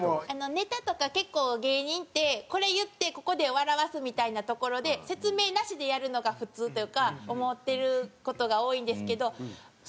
ネタとか結構芸人ってこれ言ってここで笑わすみたいなところで説明なしでやるのが普通というか思ってる事が多いんですけど。